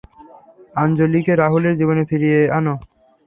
আঞ্জলীকে রাহুলের জীবনে ফিরিয়ে আনো।